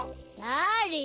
あれ？